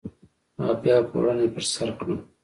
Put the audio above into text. او بیا پوړنی پر سرکړم